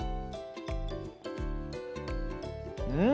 うん！